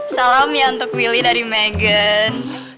salam ya untuk willy dari megan